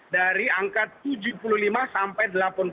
dari angka tujuh puluh lima sampai delapan puluh tujuh